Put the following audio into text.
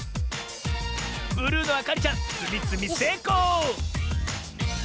ブルーのあかりちゃんつみつみせいこう！